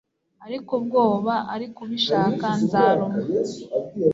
ariko ubwoba, ariko ubishaka. nzaruma